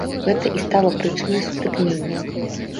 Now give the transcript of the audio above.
Гэта і стала прычынай сутыкнення.